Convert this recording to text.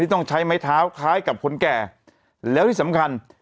ต้องใช้ไม้เท้าคล้ายกับคนแก่แล้วที่สำคัญ